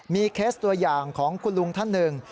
มีเคสตัวอย่างของคุณลุงท่านหนึ่ง